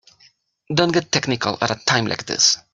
Don't get technical at a time like this.